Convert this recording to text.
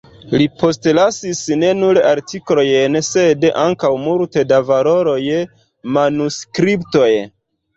Li postlasis ne nur artikolojn, sed ankaŭ multe da valoraj manuskriptoj.